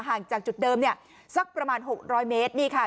ห่างจากจุดเดิมเนี่ยสักประมาณ๖๐๐เมตรนี่ค่ะ